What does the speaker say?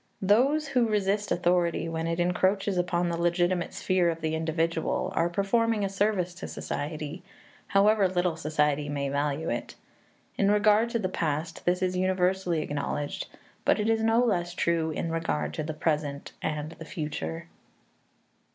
Those who resist authority when it encroaches upon the legitimate sphere of the individual are performing a service to society, however little society may value it. In regard to the past, this is universally acknowledged; but it is no less true in regard to the present and the future.